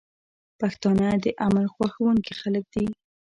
پښتانه د امن خوښونکي خلک دي.